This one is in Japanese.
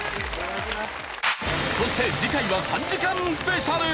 そして次回は３時間スペシャル！